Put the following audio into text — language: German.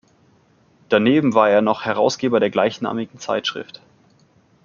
Daneben war er noch Herausgeber der gleichnamigen Zeitschrift.